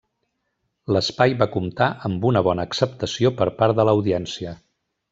L'espai va comptar amb una bona acceptació per part de l'audiència.